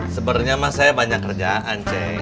sebenernya mah saya banyak kerjaan ceng